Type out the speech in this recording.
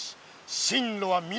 進路は南！